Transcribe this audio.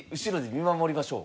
見守りましょう。